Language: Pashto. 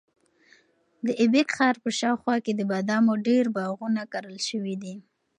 د ایبک ښار په شاوخوا کې د بادامو ډېر باغونه کرل شوي دي.